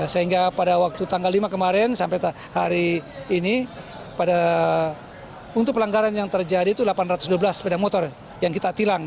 sehingga pada waktu tanggal lima kemarin sampai hari ini untuk pelanggaran yang terjadi itu delapan ratus dua belas sepeda motor yang kita tilang